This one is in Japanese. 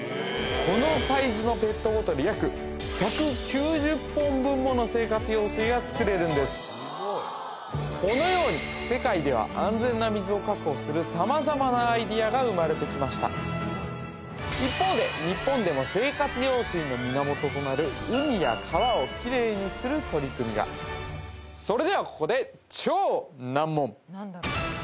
このサイズのペットボトル約１９０本分もの生活用水が作れるんですこのように世界では安全な水を確保するさまざまなアイデアが生まれてきました一方で日本でも生活用水の源となる海や川をきれいにする取り組みがそれではここで超難問